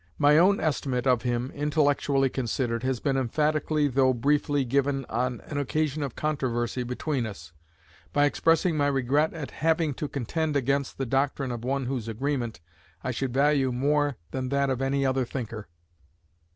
My own estimate of him, intellectually considered, has been emphatically though briefly given on an occasion of controversy between us, by expressing my regret at 'having to contend against the doctrine of one whose agreement I should value more than that of any other thinker.'